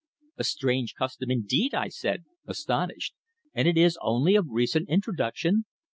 "A strange custom, indeed," I said, astonished. "And it is only of recent introduction?"